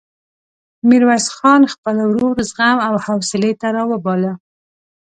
ميرويس خان خپل ورور زغم او حوصلې ته راوباله.